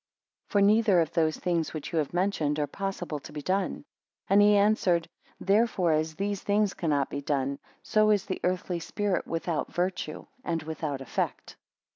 For neither of those things which you have mentioned, are possible to be done. And he answered, Therefore as these things cannot be done, so is the earthy spirit without virtue, and without effect.